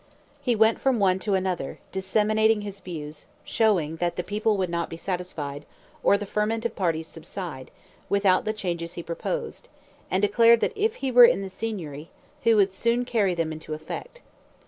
He went from one to another, disseminating his views, showing that the people would not be satisfied, or the ferment of parties subside, without the changes he proposed; and declared that if he were in the Signory, he would soon carry them into effect.